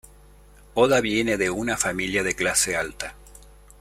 Oda viene de una familia de clase alta.